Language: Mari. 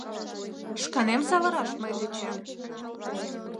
Шканем савыраш мый тӧчем?